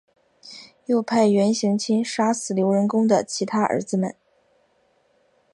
又派元行钦杀死刘仁恭的其他儿子们。